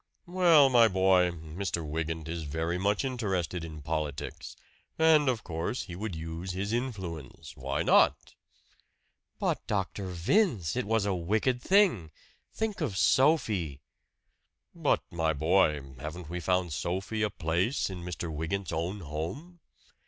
"Well, my boy, Mr. Wygant is very much interested in politics; and, of course, he would use his influence. Why not?" "But, Dr. Vince it was a wicked thing! Think of Sophie!" "But, my boy haven't we found Sophie a place in Mr. Wygant's own home?"